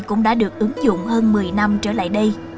cũng đã được ứng dụng hơn một mươi năm trở lại đây